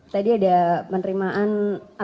tadi ada penerimaan atas arahan